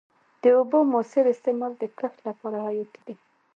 د اوبو موثر استعمال د کښت لپاره حیاتي دی.